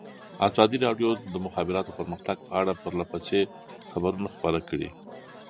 ازادي راډیو د د مخابراتو پرمختګ په اړه پرله پسې خبرونه خپاره کړي.